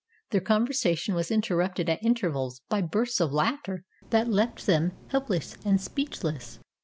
Their conversation was interrupted at intervals by bursts of laughter that left them helpless and speechless.